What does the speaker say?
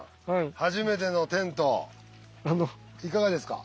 初めてのテントいかがですか？